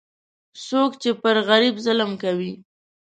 څوک چې پر غریب ظلم کوي،